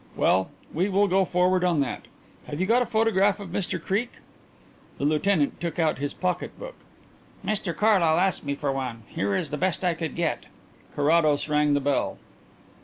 Well, we will go forward on that. Have you got a photograph of Mr Creake?" The lieutenant took out his pocket book. "Mr Carlyle asked me for one. Here is the best I could get." Carrados rang the bell.